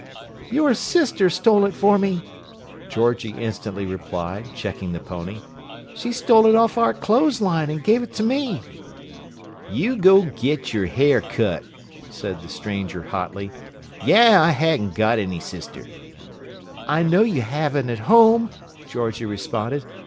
"Your sister stole it for me!" Georgie instantly replied, checking the pony. "She stole it off our clo'es line an' gave it to me." "You go get your hair cut!" said the stranger hotly. "Yah! I haven't got any sister!" "I know you haven't at home," Georgie responded.